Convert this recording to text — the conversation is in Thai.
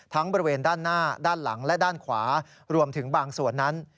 บริเวณด้านหน้าด้านหลังและด้านขวารวมถึงบางส่วนนั้น